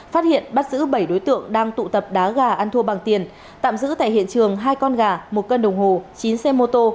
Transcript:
phát hiện bắt giữ bảy đối tượng đang tụ tập đá gà ăn thua bằng tiền tạm giữ tại hiện trường hai con gà một cân đồng hồ chín xe mô tô